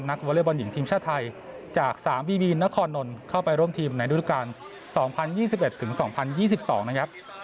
นักวอเลเบิร์นหญิงทีมชาติไทยจากสามบีบีนนครนลเข้าไปร่วมทีมในดูดการสองพันยี่สิบเอ็ดถึงสองพันยี่สิบสองนะครับ